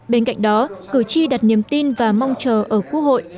bên cạnh đó cử tri đặt niềm tin và mong chờ ở quốc hội